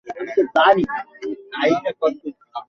Gentleman, এই লোকের বলা কথাগুলো একবার শুনুন।